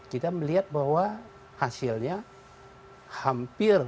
kita melihat bahwa hasilnya hampir tidak terjadi